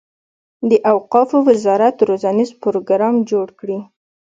د اوقافو وزارت روزنیز پروګرام جوړ کړي.